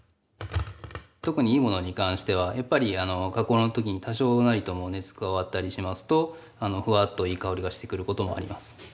特にいいものに関してはやっぱり加工の時に多少なりとも熱加わったりしますとふわっといい香りがしてくることもあります。